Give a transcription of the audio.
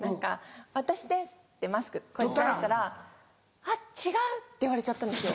「私です」ってマスクこうやってずらしたら「あっ違う」って言われちゃったんですよ。